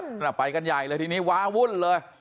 น่ะไปกันใหญ่เลยทีนี้วาวุ่นเลย